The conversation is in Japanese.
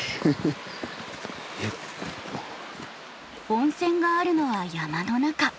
温泉があるのは山の中。